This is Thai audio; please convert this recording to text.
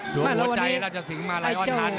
ดูหัวใจราชสิงห์มาไลออนฮันเลย